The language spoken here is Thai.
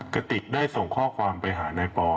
กระติกได้ส่งข้อความไปหานายปอ